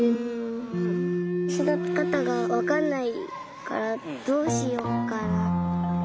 そだてかたがわかんないからどうしようかな。